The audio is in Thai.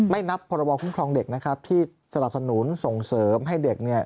นับพรบคุ้มครองเด็กนะครับที่สนับสนุนส่งเสริมให้เด็กเนี่ย